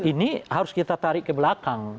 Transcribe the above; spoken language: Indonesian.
ini harus kita tarik ke belakang